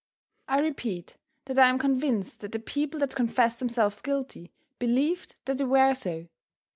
I repeat that I am convinced that the people that confessed themselves guilty believed that they were so.